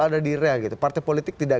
ada di rel gitu partai politik tidak